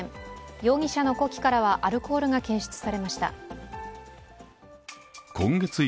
容疑者の呼気からはアルコールが検出されました。